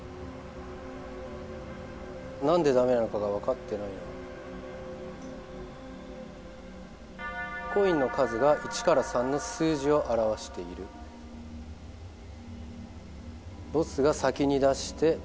何でダメなのかが分かってないな「コインの数が１から３の数字を表している」「ボスが先に出して」